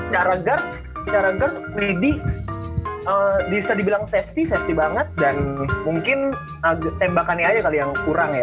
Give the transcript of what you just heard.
cara gerd secara gerd medi bisa dibilang safety safety banget dan mungkin tembakannya aja kali yang kurang ya